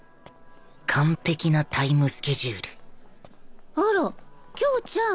完璧なタイムスケジュールあら京ちゃん